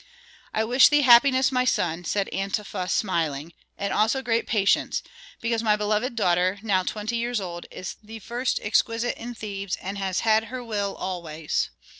"I wish thee happiness, my son," said Antefa, smiling, "and also great patience, because my beloved daughter, now twenty years old, is the first exquisite in Thebes, and has had her will always.